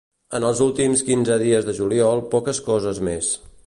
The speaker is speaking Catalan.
En els últims quinze dies de juliol poques coses més.